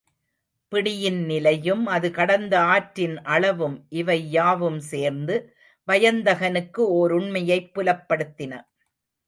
பிடியின் நிலையும் அது கடந்த ஆற்றின் அளவும் இவை யாவும் சேர்ந்து, வயந்தகனுக்கு ஓருண்மையைப் புலப்படுத்தின.